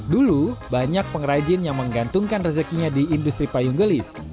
dulu banyak pengrajin yang menggantungkan rezekinya di industri payung gelis